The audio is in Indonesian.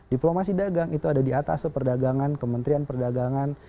diplomasi dagang itu ada di atas perdagangan kementerian perdagangan